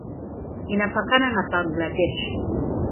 Inapakana na Bangladesh.